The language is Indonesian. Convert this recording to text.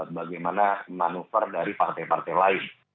bagaimana manuver dari partai partai lain